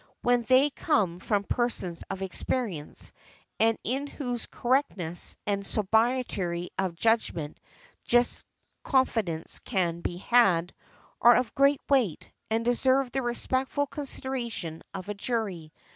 when they come from persons of experience, and in whose correctness and sobriety of judgment just confidence can be had, are of great weight, and deserve the respectful consideration of a jury.